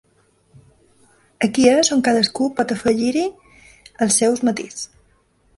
Aquí és on cadascú pot afegir-hi el seu matís.